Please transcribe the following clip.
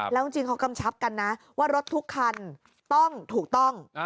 แล้วจริงเขากำชับกันนะว่ารถทุกคันต้องถูกต้อง